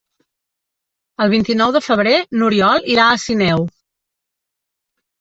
El vint-i-nou de febrer n'Oriol irà a Sineu.